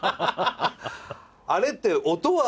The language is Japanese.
あれって音は。